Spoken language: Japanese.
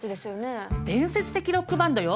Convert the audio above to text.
伝説的ロックバンドよ。